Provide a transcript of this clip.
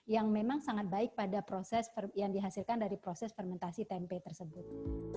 yang memang sangat baik pada proses yang dihasilkan dari proses fermentasi tempe tersebut